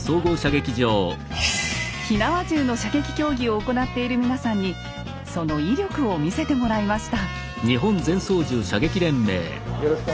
火縄銃の射撃競技を行っている皆さんにその威力を見せてもらいました。